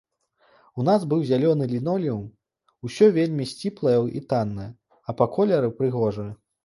У нас быў зялёны лінолеум, усё вельмі сціплае і таннае, а па колеры прыгожае.